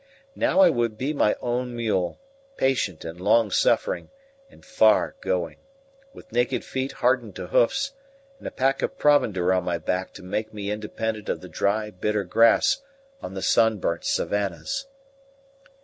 Now I would be my own mule, patient, and long suffering, and far going, with naked feet hardened to hoofs, and a pack of provender on my back to make me independent of the dry, bitter grass on the sunburnt savannahs.